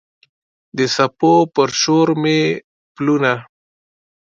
د څپو پر شور مې پلونه